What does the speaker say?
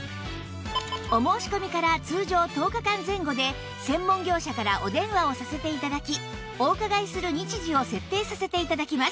お申し込みから通常１０日間前後で専門業者からお電話をさせて頂きお伺いする日時を設定させて頂きます